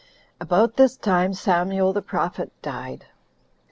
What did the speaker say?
5. About this time Samuel the prophet died.